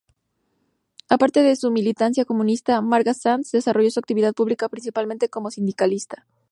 Aparte de su militancia comunista, Marga Sanz desarrolló su actividad pública principalmente como sindicalista.